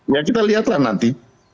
ya kita lihat lah nanti